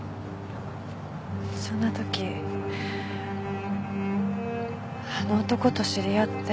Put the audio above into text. そんな時あの男と知り合って。